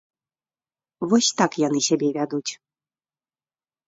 Вось так яны сябе вядуць.